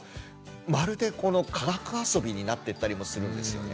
まるでこの科学あそびになってったりもするんですよね。